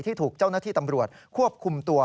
ถูกเจ้าหน้าที่ตำรวจควบคุมตัว